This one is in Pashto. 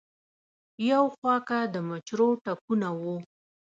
يو خوا کۀ د مچرو ټکونه وو